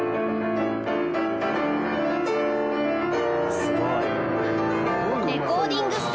すごい！